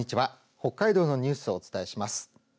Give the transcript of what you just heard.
北海道のニュースをお伝えします。